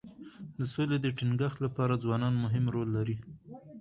د سولې د ټینګښت لپاره ځوانان مهم رول لري.